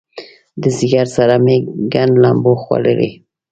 د ځیګر سره مې ګنډ لمبو خوړلی